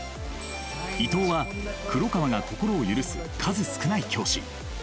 伊藤は黒川が心を許す数少ない教師。